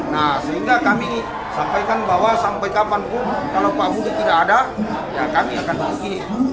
nah sehingga kami sampaikan bahwa sampai kapanpun kalau pak budi tidak ada ya kami akan rugi